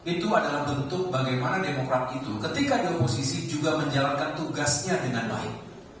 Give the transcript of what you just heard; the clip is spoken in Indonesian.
itu adalah bentuk bagaimana demokrat itu ketika di oposisi juga menjalankan tugasnya dengan baik